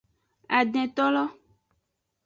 Adintolo.